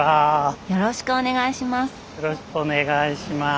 よろしくお願いします。